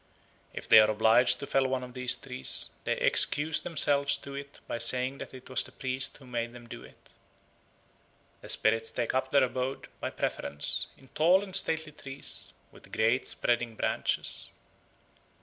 If they are obliged to fell one of these trees, they excuse themselves to it by saying that it was the priest who made them do it. The spirits take up their abode, by preference, in tall and stately trees with great spreading branches.